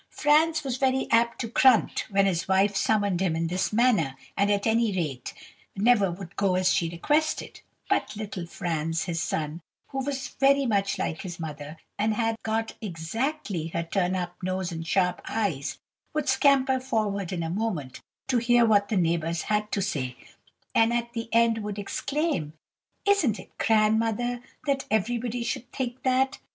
"Franz was very apt to grunt when his wife summoned him in this manner, and, at any rate, never would go as she requested; but little Franz, the son, who was very like his mother, and had got exactly her turn up nose and sharp eyes, would scamper forward in a moment to hear what the neighbours had to say, and at the end would exclaim:— "'Isn't it grand, mother, that everybody should think that?